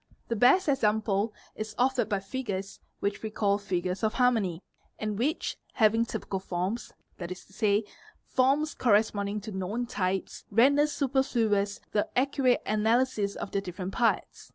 The best example is offered by figures which we call _ "figures of harmony," and which, having typical forms, that is to say, forms corresponding to known types, render superfluous the accurate analysis of their different parts.